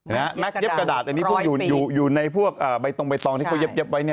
แม็กซ์เย็บกระดาษอันนี้พวกอยู่ในพวกใบตรงที่เขาเย็บไว้